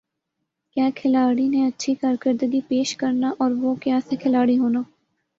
کَیا کھلاڑی نے اچھی کارکردگی پیش کرنا اور وُہ کَیا سے کھلاڑی ہونا